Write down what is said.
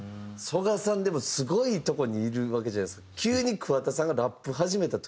曽我さんでもすごいとこにいるわけじゃないですか。